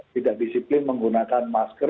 tidak disiplin menggunakan masker